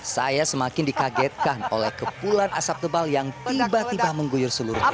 saya semakin dikagetkan oleh kepulan asap tebal yang tiba tiba mengguyur seluruhnya